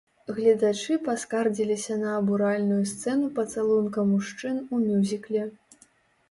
Гледачы паскардзіліся на абуральную сцэну пацалунка мужчын у мюзікле.